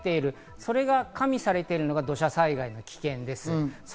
それが加味されているのが土砂災害の危険です。